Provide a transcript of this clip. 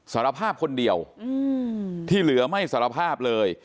สารภาพคนเดียวที่เหลือไม่สารภาพเลย